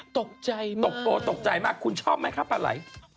ตกใจมากตกใจมากคุณชอบไหมครับปลาไหล